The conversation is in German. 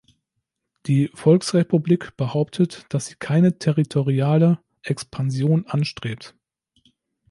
Die Volksrepublik behauptet, dass sie keine territoriale Expansion anstrebt.